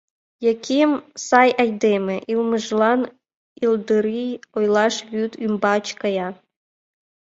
Яким — сай айдеме, йылмыжлан йылдырий, ойлаш вӱд ӱмбач кая.